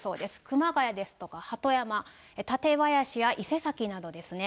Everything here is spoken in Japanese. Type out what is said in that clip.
熊谷ですとか鳩山、館林や伊勢崎などですね。